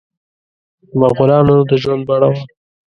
د مغولانو د ژوند بڼه وه.